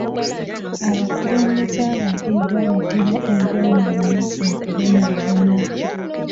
Abakulembeze ababi baleetera eggwanga lino okubonaabona.